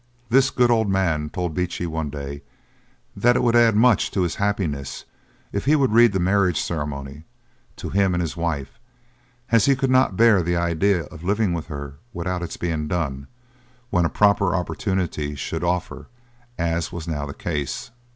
This good old man told Beechey one day, that it would add much to his happiness if he would read the marriage ceremony to him and his wife, as he could not bear the idea of living with her without its being done, when a proper opportunity should offer, as was now the case.